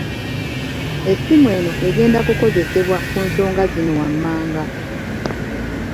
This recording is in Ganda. Essimu eno egenda kukozesebwa ku nsonga zino wammanga.